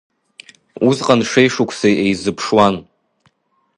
Усҟан шеишықәсеи еизыԥшуан.